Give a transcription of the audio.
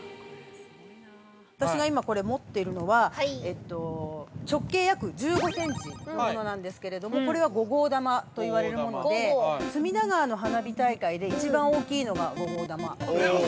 ◆私が今、これ持ってるのは直径約１５センチのものなんですけれども、これは５号玉といわれるもので、隅田川の花火大会で一番大きいのが５号玉。